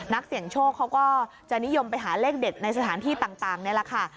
นักเสี่ยงโชคเขาก็จะนิยมไปหาเลขเด็ดในสถานที่ต่างนี่แหละค่ะ